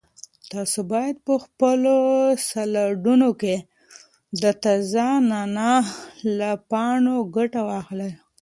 تاسو باید په خپلو سالاډونو کې د تازه نعناع له پاڼو ګټه واخلئ.